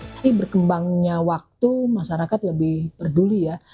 jadi berkembangnya waktu masyarakat lebih peduli ya